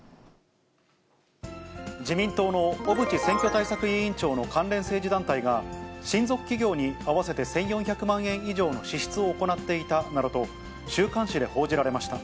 自民党の小渕選挙対策委員長の関連政治団体が、親族企業に合わせて１４００万円以上の支出を行っていたなどと、週刊誌で報じられました。